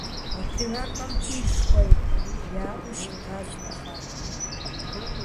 Адыгэхэм пщышхуэ яӏэу щытащ нэхъапэм.